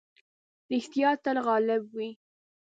رښتيا تل غالب وي.